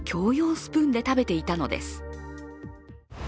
スプーンで食べていたのです。